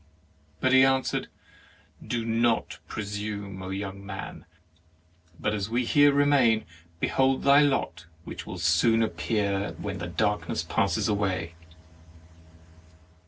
But he answered :" Do not presume, young man; but as we here remain, behold thy lot, which will soon appear when the darkness passes away."